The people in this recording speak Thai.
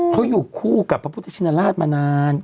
เขาอยู่คู่กับพระพุทธชินราชมานาน